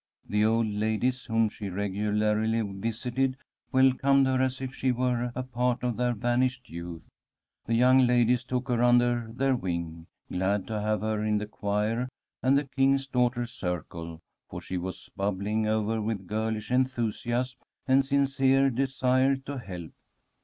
The old ladies whom she regularly visited welcomed her as if she were a part of their vanished youth. The young ladies took her under their wing, glad to have her in the choir and the King's Daughters' Circle, for she was bubbling over with girlish enthusiasm and a sincere desire to help.